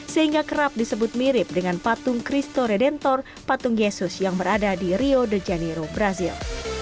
sehingga kerap disebut mirip dengan patung christo redentor patung yesus yang berada di rio de janeiro brazil